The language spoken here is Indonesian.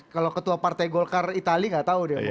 kalau ketua partai golkar itali gak tau deh